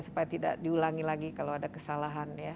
supaya tidak diulangi lagi kalau ada kesalahan ya